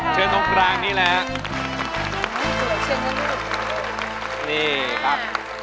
เชิญตรงกลางนี่แหละ